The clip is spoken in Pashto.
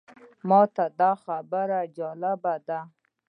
ماته دا خبره جالبه ده.